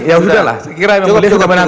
ya sudah lah